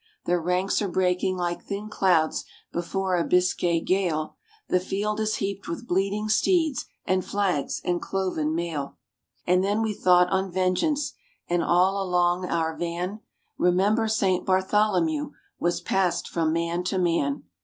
Their ranks are breaking like thin clouds before a Biscay gale; The field is heaped with bleeding steeds, and flags, and cloven mail. And then we thought on vengeance, and, all along our van, "Remember Saint Bartholomew!" was passed from man to man.